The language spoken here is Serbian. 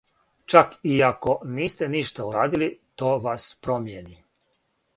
Чак и ако нисте ништа урадили, то вас промијени.